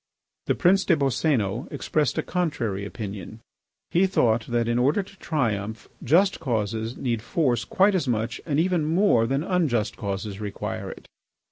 The Prince des Boscénos expressed a contrary opinion. He thought that, in order to triumph, just causes need force quite as much and even more than unjust causes require it.